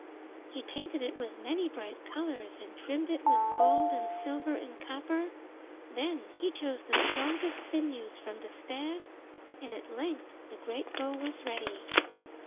He painted it with many bright colours and trimmed it with gold and silver and copper. Then he chose the strongest sinews from the stag, and at length the great bow was ready.